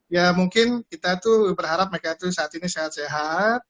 ya mungkin kita tuh berharap mereka itu saat ini sangat sehat